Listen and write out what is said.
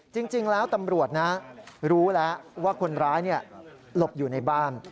จริงแล้วตำรวจนะรู้แล้วว่าคนร้ายหลบอยู่ในบ้าน